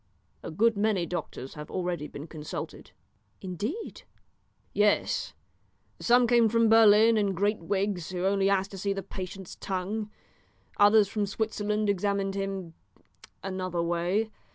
"A good many doctors have already been consulted." "Indeed!" "Yes, some came from Berlin in great wigs who only asked to see the patient's tongue. Others from Switzerland examined him another way.